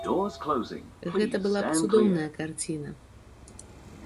Гэта была б цудоўная карціна.